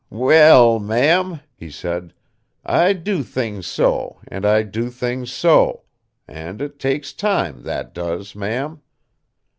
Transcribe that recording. "We ell, Ma'am," he said, "I do things so, and I do things so; and it takes time, that does, Ma'am."